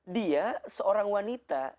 dia seorang wanita